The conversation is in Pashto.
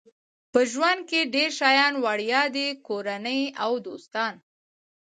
په ژوند کې ډېر شیان وړیا دي کورنۍ او دوستان.